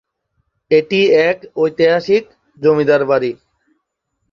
এটি এক ঐতিহাসিক জমিদার বাড়ি।